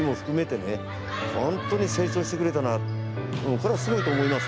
これはすごいと思います